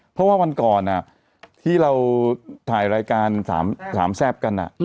เพราะว่าวันก่อนที่เราถ่ายรายการสามแซ่บกัน